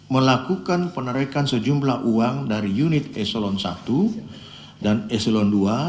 melakukan penerikan sejumlah uang dari unit eslon i dan eslon ii